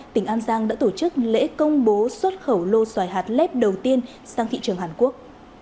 tỉnh an giang đã tổ chức lễ công bố xuất khẩu lô xoài hạt lép đầu tiên sang thị trường hàn quốc